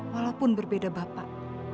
walaupun berbeda bapak